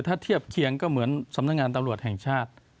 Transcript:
ถ้าเทียบเคียงก็เหมือนสำนักงานตำรวจแห่งชาติ